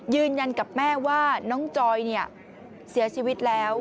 ยืนยันกับแม่ว่าน้องจอยเสียชีวิตแล้ว